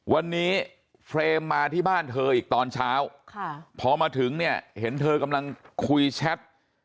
วันนี้เฟรมมาที่บ้านเธออีกตอนเช้าพอมาถึงเนี่ยเห็นเธอกำลังคุยแชท